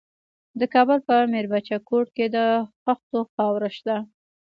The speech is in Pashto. د کابل په میربچه کوټ کې د خښتو خاوره شته.